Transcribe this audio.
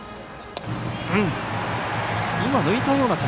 今は抜いたような球。